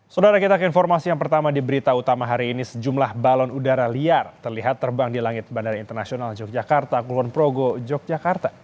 saudara kita ke informasi yang pertama di berita utama hari ini sejumlah balon udara liar terlihat terbang di langit bandara internasional yogyakarta kulon progo yogyakarta